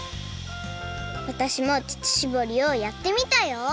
わたしも乳しぼりをやってみたよ！